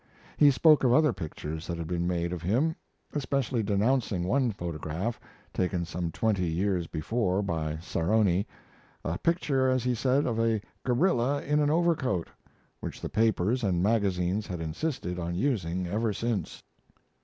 He spoke of other pictures that had been made of him, especially denouncing one photograph, taken some twenty years before by Sarony, a picture, as he said, of a gorilla in an overcoat, which the papers and magazines had insisted on using ever since.